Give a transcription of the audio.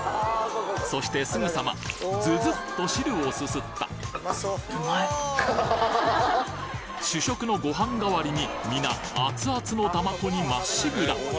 そしてすぐさまズズッと汁をすすった主食のご飯がわりに皆アツアツのだまこにまっしぐら！